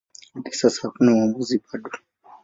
Hadi sasa hakuna uamuzi bado.